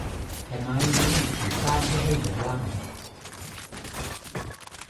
แผ่นไม้นี้ถูกสร้างเพื่อให้เหยียบย่ำ